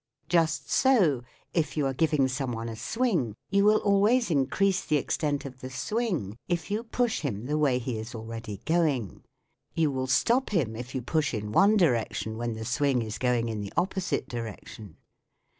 Just so, if you are giving some one a swing, you will always increase the extent of the swing if you push him the way he is already going. You will stop him if you push in one direction when the swing is going in the opposite direction.